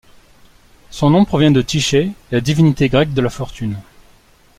Son nom provient de Tyché, la divinité grecque de la fortune.